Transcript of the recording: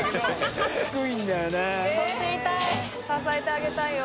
支えてあげたいよ。